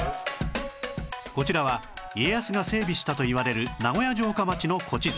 こちらは家康が整備したといわれる名古屋城下町の古地図